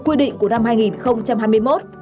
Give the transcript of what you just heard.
quy định của năm hai nghìn hai mươi một